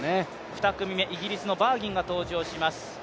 ２組目、イギリスのバーギンが登場してきます。